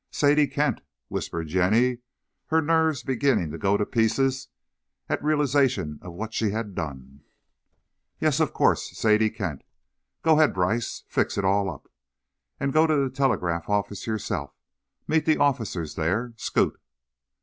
"Sadie Kent," whispered Jenny, her nerves beginning to go to pieces at realizaton of what she had done. "Yes, of course. Sadie Kent. Go ahead, Brice. Fix it all up, and go to the telegraph office yourself. Meet the officers there. Scoot!"